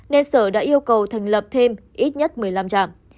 nên sở đã yêu cầu thành lập thêm ít nhất một mươi năm trạm